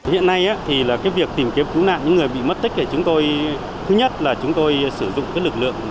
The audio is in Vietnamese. hiện nay thì là cái việc tìm kiếm cứu nạn những người bị mất tích thì chúng tôi thứ nhất là chúng tôi sử dụng lực lượng